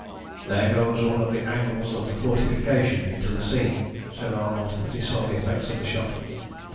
"There goes one of the angles of the fortification into the sea," said Arnold, as he saw the effects of the shot.